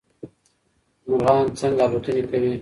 مارغان څنګه الوتنې کوی